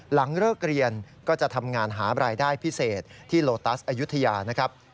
หลังเลิกเรียนก็จะทำงานหารายได้พิเศษที่โลตัสอายุทยานะครับ